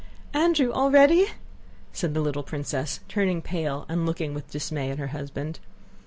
"Andrew, already!" said the little princess, turning pale and looking with dismay at her husband.